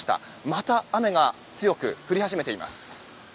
また雨が強く降り始めています。